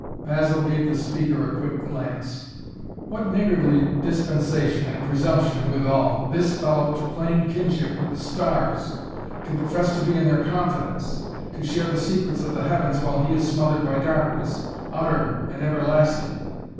Basil gave the speaker a quick glance. "What niggardly dispensation and presumption withal! This fellow to claim kinship with the stars! To profess to be in their confidence, to share the secrets of the heavens while he is smothered by darkness, utter and everlasting.